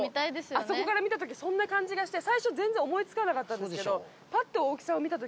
あそこから見たときそんな感じがして最初全然思い付かなかったんですけど。